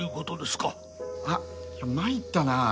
あっ参ったなあ。